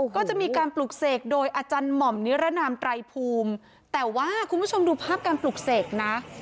ก็จะมีการปลุกเสกโดยอาจารย์หม่อมนิรนามไตรภูมิแต่ว่าคุณผู้ชมดูภาพการปลูกเสกนะ